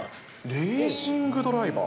レーシングドライバー？